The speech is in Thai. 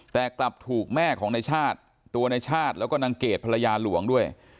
แต่กลับถูกแม่ของในชาติตัวในชาติแล้วก็นางเกดภรรยาหลวงด้วย